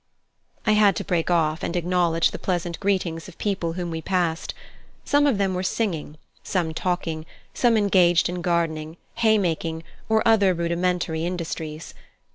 I had to break off and acknowledge the pleasant greetings of people whom we passed. Some of them were singing, some talking, some engaged in gardening, hay making, or other rudimentary industries.